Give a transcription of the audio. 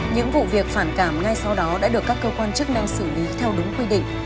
những vụ việc phản cảm ngay sau đó đã được các cơ quan chức năng xử lý theo đúng quy định